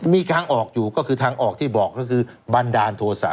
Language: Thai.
มีทางออกอยู่ก็คือทางออกที่บอกก็คือบันดาลโทษะ